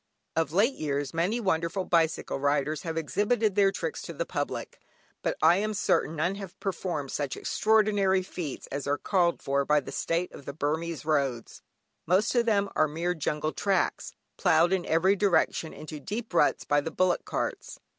Of late years many wonderful bicycle riders have exhibited their tricks to the public, but I am certain none have performed such extraordinary feats as are called for by the state of the Burmese roads, most of them mere jungle tracks, ploughed in every direction into deep ruts by the bullock carts.